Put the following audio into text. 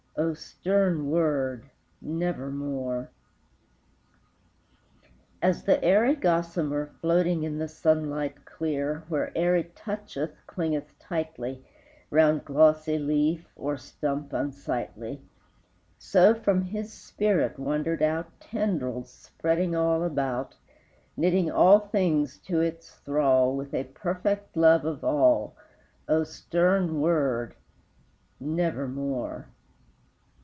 O stern word Nevermore! As the airy gossamere, Floating in the sunlight clear, Where'er it toucheth clingeth tightly, Round glossy leaf or stump unsightly, So from his spirit wandered out Tendrils spreading all about, Knitting all things to its thrall With a perfect love of all: O stern word Nevermore!